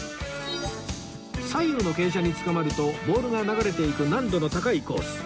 左右の傾斜につかまるとボールが流れていく難度の高いコース